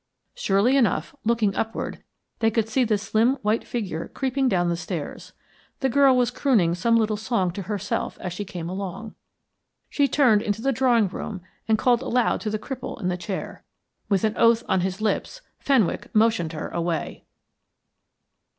Surely enough, looking upward, they could see the slim white figure creeping down the stairs. The girl was crooning some little song to herself as she came along. She turned into the drawing room and called aloud to the cripple in the chair. With an oath on his lips, Fenwick motioned her away.